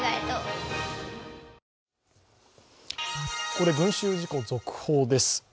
ここで群集事故続報です。